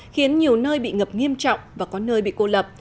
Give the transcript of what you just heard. khiến nhiều nơi bị ngập nghiêm trọng và có nơi bị cô lập